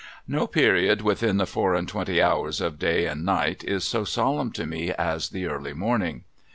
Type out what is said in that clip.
No period within the four and twenty hours of day and night is so solemn to me, as the early morning.